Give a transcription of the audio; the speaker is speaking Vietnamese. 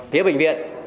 phía bệnh viện